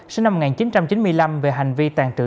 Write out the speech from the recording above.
sinh năm một nghìn chín trăm chín mươi năm về hành vi tàn trữ